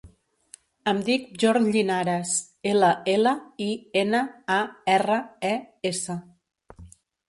Em dic Bjorn Llinares: ela, ela, i, ena, a, erra, e, essa.